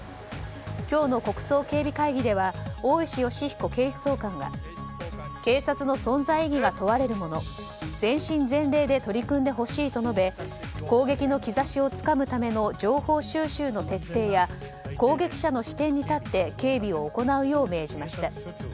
今日の国葬警備会議では大石吉彦警視総監が警察の存在意義が問われるもの全身全霊で取り組んでほしいと述べ攻撃の兆しをつかむための情報収集の徹底や攻撃者の視点に立って警備を行うよう命じました。